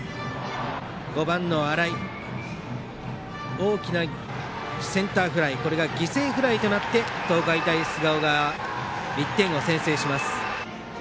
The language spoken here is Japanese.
大きなセンターフライは犠牲フライとなり東海大菅生が１点を先制します。